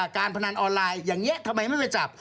การพนันออนไลน์อย่างนี้ทำไมไม่ไปจับ